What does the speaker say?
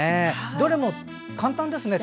どれも簡単ですね。